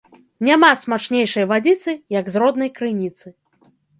Няма смачнейшай вадзіцы, як з роднай крыніцы